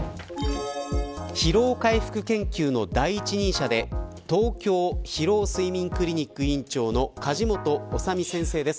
疲労回復研究の第一人者で東京疲労・睡眠クリニック院長の梶本修身先生です。